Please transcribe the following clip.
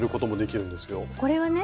これはね